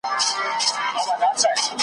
که کتل یې چي مېړه یې یک تنها دی .